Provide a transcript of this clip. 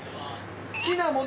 好きなもの